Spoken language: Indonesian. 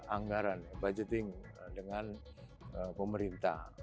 anggaran budgeting dengan pemerintah